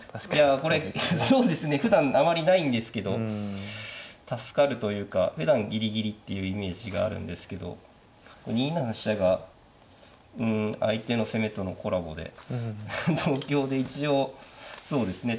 これそうですねふだんあまりないんですけど助かるというかふだんギリギリっていうイメージがあるんですけど２七飛車がうん相手の攻めとのコラボで同香で一応そうですね